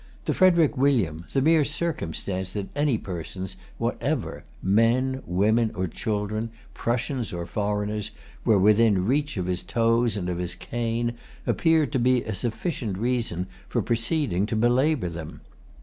To Frederic William, the mere circumstance that any persons whatever, men, women, or children, Prussians or foreigners, were within reach of his toes and of his cane, appeared to be a sufficient reason for proceeding to belabor them.